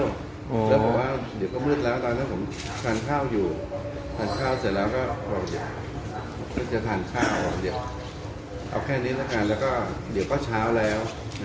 เดี๋ยวก็มืดแล้วตอนนี้ผมทานข้าวอยู่ทานข้าวเสร็จแล้วก็ก็จะทานข้าวออกเดี๋ยวเอาแค่นี้นะคะแล้วก็เดี๋ยวก็เช้าแล้ว